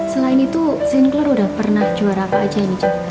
selain itu sinclair sudah pernah juara apa saja